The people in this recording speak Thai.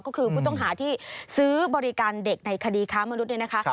ก็คือผู้ต้องหาที่ซื้อบริการเด็กในคดีค้ามนุษย์เนี่ยนะคะ